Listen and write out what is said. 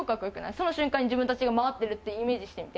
その瞬間に自分たちが周ってるってイメージしてみて。